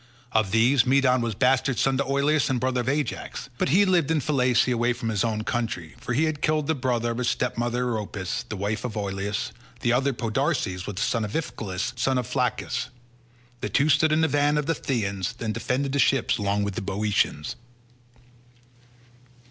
Of these, Medon was bastard son to Oileus and brother of Ajax, but he lived in Phylace away from his own country, for he had killed the brother of his stepmother Eriopis, the wife of Oileus; the other, Podarces, was the son of Iphiclus, son of Phylacus. These two stood in the van of the Phthians, and defended the ships along with the Boeotians.